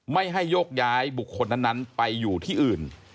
ไม่ให้ยกย้ายบุคคลนั้นไปอยู่ที่อื่น